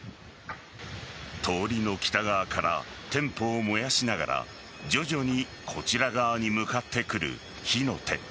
通りの北側から店舗を燃やしながら徐々にこちら側に向かってくる火の手。